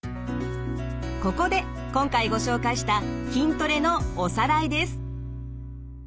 ここで今回ご紹介した筋トレのおさらいです。